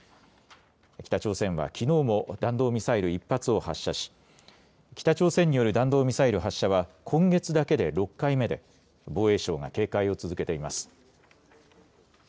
北朝鮮はきのうも、弾道ミサイル１発を発射し、北朝鮮による弾道ミサイル発射は今月だけで６回目で、防衛省が警戒を続けています。